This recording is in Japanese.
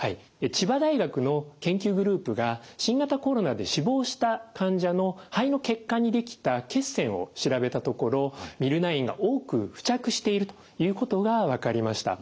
千葉大学の研究グループが新型コロナで死亡した患者の肺の血管にできた血栓を調べたところＭｙｌ９が多く付着しているということが分かりました。